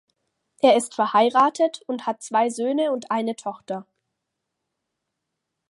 Er ist verheiratet und hat zwei Söhne und eine Tochter.